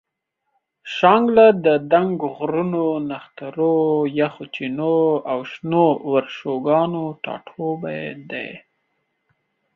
شانګله د دنګو غرونو، نخترو، یخو چینو او شنو ورشوګانو ټاټوبے دے